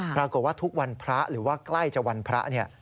ปรากฏว่าทุกวันพระหรือว่าใกล้จะวันพระเนี่ย